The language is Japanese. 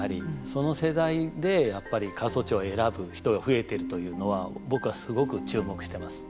その世代でやっぱり過疎地を選ぶ人が増えてるというのは僕はすごく注目してます。